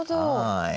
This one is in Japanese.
はい。